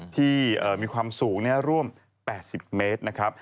ที่มีความสูงร่วม๘๐เมตรนะครับ